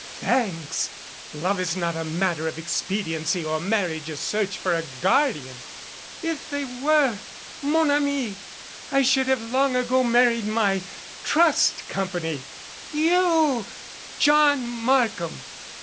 Thanks. Love is not a matter of expe diency or marriage a search for a guardian. If they were, mon ami, I should have long ago married my Trust Com pany. You John Markham